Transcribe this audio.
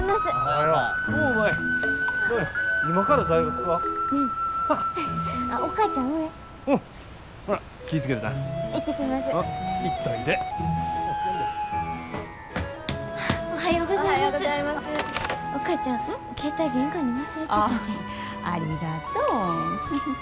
ああありがとう。